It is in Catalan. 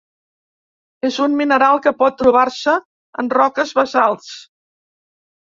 És un mineral que pot trobar-se en roques basalts.